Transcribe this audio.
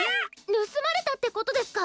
ぬすまれたってことですか？